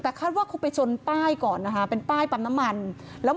แต่คาดว่าเขาก็ไปชนป้ายก่อนนะครับ